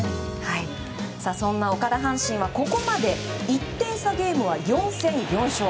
そんな岡田阪神はここまで１点差ゲームは４戦４勝。